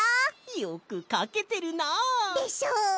よくかけてるな。でしょ！